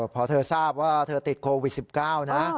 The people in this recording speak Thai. พอเธอทราบว่าเธอติดโควิด๑๙นะ